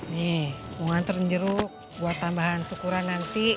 nih mau nganter jeruk buat tambahan syukuran nanti